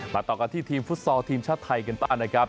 ต่อกันที่ทีมฟุตซอลทีมชาติไทยกันบ้างนะครับ